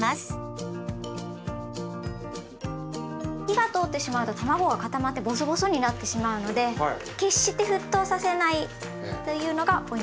火が通ってしまうとたまごが固まってぼそぼそになってしまうので決して沸騰させないというのがポイントです。